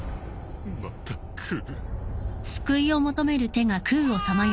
また来る。